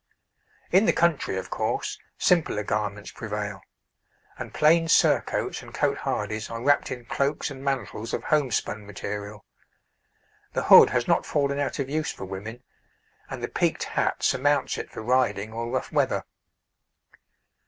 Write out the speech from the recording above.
In the country, of course, simpler garments prevail, and plain surcoats and cotehardies are wrapped in cloaks and mantles of homespun material. The hood has not fallen out of use for women, and the peaked hat surmounts it for riding or rough weather.